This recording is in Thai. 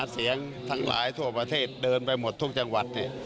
เสียงทั้งหลายทั่วประเทศเดินไปหมดทุกจังหวัด